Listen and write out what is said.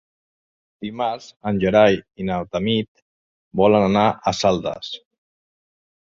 Dimarts en Gerai i na Tanit volen anar a Saldes.